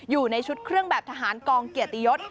อยู่ในชุดเครื่องแบบทหารกองเกียรติยศ